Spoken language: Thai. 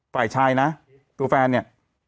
ฝ่ายชายนะตัวแฟนเนี่ย